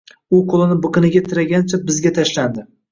U qo`lini biqiniga tiragancha, bizga tashlandi